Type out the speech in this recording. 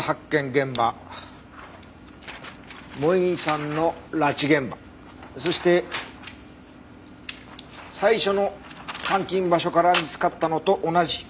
現場萌衣さんの拉致現場そして最初の監禁場所から見つかったのと同じワークブーツ。